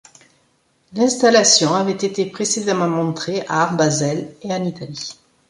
L'installation avait été précédemment montrée à Art Basel et en Italie.